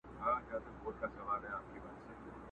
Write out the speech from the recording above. د باندي الوزي د ژمي ساړه توند بادونه،